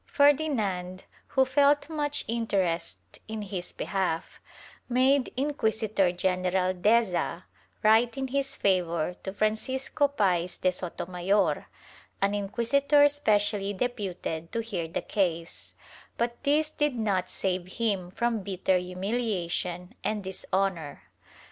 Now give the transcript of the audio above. Ferdinand, who felt much interest in his behalf, made Inquisitor general Deza write in his favor to Francisco Pays de Sotomayor, an inquisitor specially deputed to hear the case, but this did not save him from bitter humiliation and dishonor.